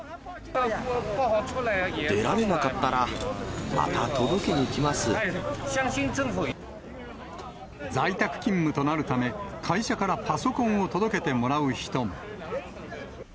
出られなかったら、また届け在宅勤務となるため、会社からパソコンを届けてもらう人も。